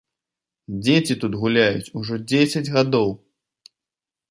Дзеці тут гуляюць ужо дзесяць гадоў.